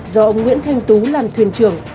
do ông nguyễn thanh tú làm thuyền trường